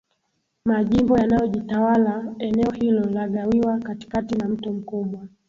majimbo yanayojitawalaEneo hilo lagawiwa katikati na mto mkubwa